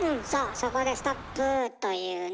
そこでストップというね。